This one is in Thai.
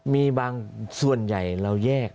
มีบางส่วนใหญ่เราแยก